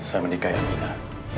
saya menikah ya aminah